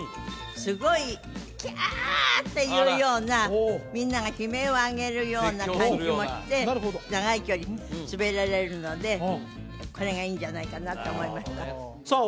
すごい「キャー！」って言うようなみんなが悲鳴を上げるような感じもして長い距離滑られるのでこれがいいんじゃないかなと思いましたさあ